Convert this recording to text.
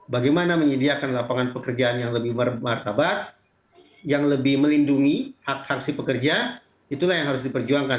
bagaimana menyediakan lapangan pekerjaan yang lebih bermartabat yang lebih melindungi hak hak si pekerja itulah yang harus diperjuangkan